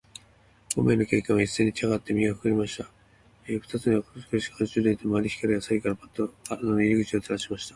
五名の警官はいっせいに立ちあがって、身がまえました。二つの懐中電燈の丸い光が、左右からパッと穴の入り口を照らしました。